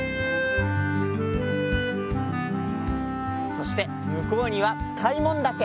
そしてむこうには開聞岳！